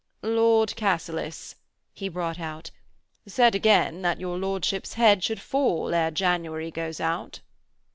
'Lord Cassilis,' he brought out, 'said again that your lordship's head should fall ere January goes out.'